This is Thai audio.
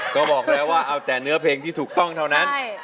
ก็บอกแล้วว่าเอาแต่เนื้อเพลงที่ถูกต้องเท่านั้น